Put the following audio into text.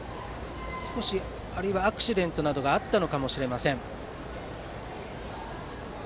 アクシデントなどがあったのかもしれません。